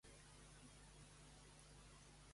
Quan emergeix com a bisbe d'Itàlica?